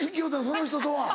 その人とは。